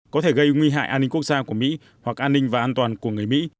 có thể gây nguy hại an ninh quốc gia của mỹ hoặc an ninh và an toàn của người mỹ